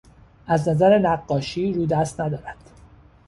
از نظر نقاشی رودست ندارد.